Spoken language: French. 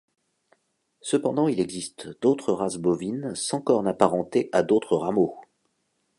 Cependant, il existe d'autres races bovines sans cornes apparentées à d'autres rameaux.